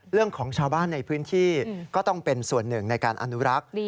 เรื่องของชาวบ้านในพื้นที่ก็ต้องเป็นส่วนหนึ่งในการอนุรักษ์